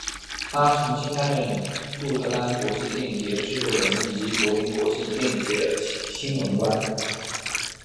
他长期担任鹿特丹国际电影节制作人以及柏林国际电影节的新闻官。